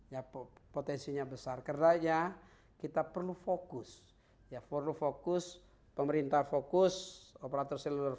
ya potensinya besar kerjanya kita perlu fokus ya perlu fokus pemerintah fokus operator seluruh